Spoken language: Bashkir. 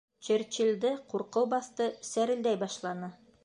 Черчиллде ҡурҡыу баҫты, сәрелдәй башланы: